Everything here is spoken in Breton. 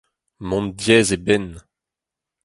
mont diaes e benn